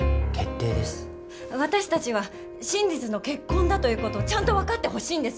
私たちは真実の結婚だということをちゃんと分かってほしいんです。